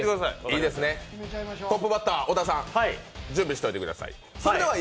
トップバッター小田さん、準備してください。